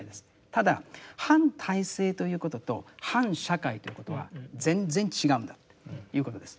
ただ反体制ということと反社会ということは全然違うんだということです。